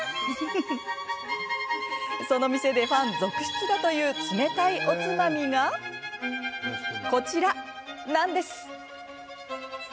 その店でファン続出だという冷たいおつまみがこちらなんです。